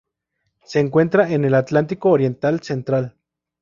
Se encuentra en el Atlántico oriental central.